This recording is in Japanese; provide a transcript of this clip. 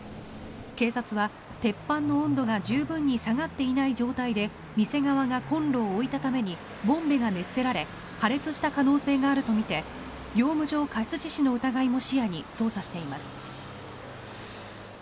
警察は、鉄板の温度が十分に下がっていない状態で店側がコンロを置いたためにボンベが熱せられ破裂した可能性があるとみて業務上過失致死の疑いも視野に捜査しています。